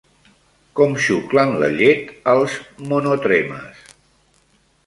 Com xuclen la llet els monotremes?